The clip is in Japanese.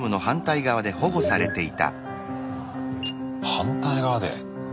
反対側で。